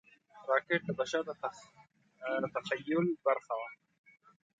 راکټ د بشر د تخیل برخه وه